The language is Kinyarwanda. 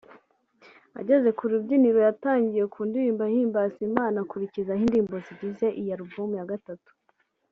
Ageze ku rubyiniro yatangiriye ku ndirimbo ihimbaza Imana akurikizaho indirimbo zigize iyi album ya Gatatu